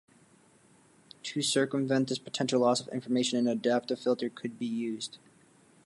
To circumvent this potential loss of information, an adaptive filter could be used.